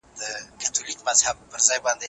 وخت په تېرېدو سره ټولنه بدلیږي.